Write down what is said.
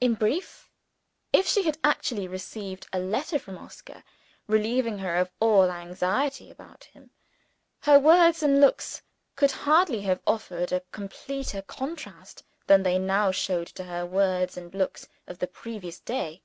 In brief, if she had actually received a letter from Oscar, relieving her of all anxiety about him, her words and looks could hardly have offered a completer contrast than they now showed to her words and looks of the previous day.